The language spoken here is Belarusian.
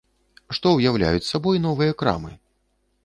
Што ўяўляюць сабой новыя крамы?